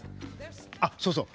あっそうそう。